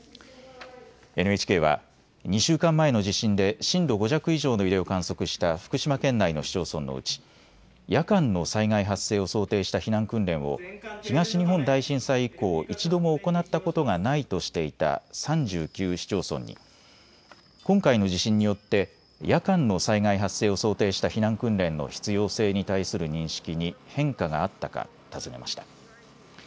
ＮＨＫは２週間前の地震で震度５弱以上の揺れを観測した福島県内の市町村のうち夜間の災害発生を想定した避難訓練を東日本大震災以降、一度も行ったことがないとしていた３９市町村に今回の地震によって夜間の災害発生を想定した避難訓練の必要性に対する認識に変化があったか尋ねました。